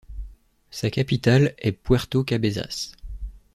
Sa capitale est Puerto Cabezas.